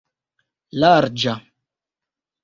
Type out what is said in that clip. larĝa